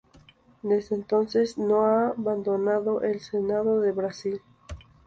Desde entonces no ha abandonado el Senado de Brasil.